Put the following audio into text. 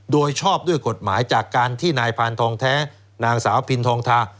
โดยชอบด้วยกฎหมายจากการที่นายพานทองแท้นางสาวพินทองทา